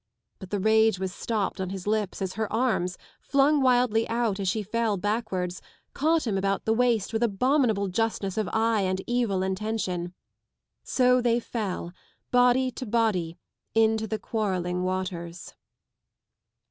But the rage was stopped on his lips as her arms, flung wildly out as she fell backwards, caught him about the waist with abominable justness of eye and evil intention. So they fell body to body into the quarrelling waters.